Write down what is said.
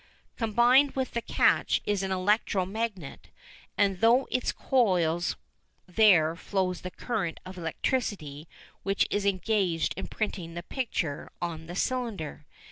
Combined with the catch is an electro magnet, and through its coils there flows the current of electricity which is engaged in printing the picture on the cylinder.